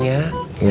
bisa berusaha keras